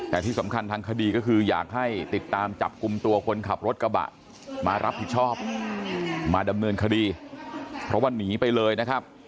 แต่ที่สำคัญทางคดีก็คืออยากให้ติดตามจับกลุ่มตัวคนขับรถกระบะมารับผิดชอบมาดำเนินคดีเพราะว่าหนีไปเลยนะครับ